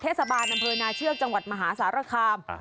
เทศบาลอำเภอนาเชือกจังหวัดมหาสารคาม